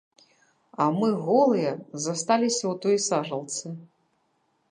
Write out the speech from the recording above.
А мы, голыя, засталіся ў той сажалцы!